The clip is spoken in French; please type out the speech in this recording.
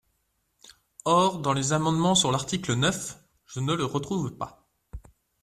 Or dans les amendements sur l’article neuf, je ne le retrouve pas.